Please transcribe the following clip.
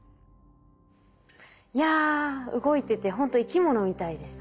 いや動いててほんと生き物みたいでしたね。